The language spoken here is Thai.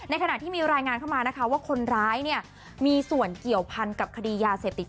ขณะที่มีรายงานเข้ามานะคะว่าคนร้ายมีส่วนเกี่ยวพันกับคดียาเสพติด